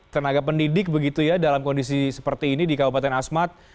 tenaga pendidik begitu ya dalam kondisi seperti ini di kabupaten asmat